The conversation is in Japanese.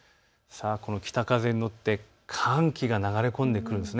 この北風に乗って寒気が流れ込んでくるんです。